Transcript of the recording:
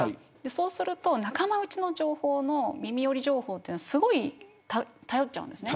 そうすると仲間内の情報の耳より情報をすごい頼っちゃうんです。